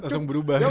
langsung berubah ya